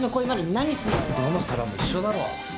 どの皿も一緒だろ。